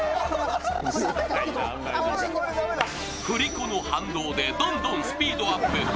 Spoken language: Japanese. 振り子の反動でどんどんスピードアップ。